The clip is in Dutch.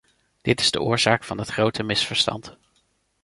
Dit is de oorzaak van het grote misverstand.